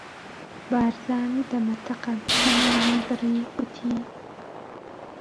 بارزان دەمەتەقەکەمانی بڕی، گوتی: